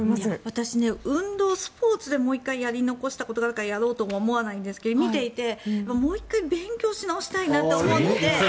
私、運動、スポーツでもう１回やり残そうとしたことはやろうとは思わないですが見ていてもう一回勉強し直したいなって思って。